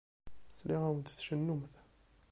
Sliɣ-awent tcennumt.